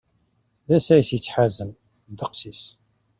D asayes yettḥazen ddeqs-is.